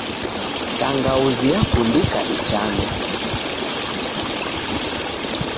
Tangauzi yakundika ichano.